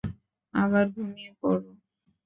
আবার ঘুমিয়ে পড়।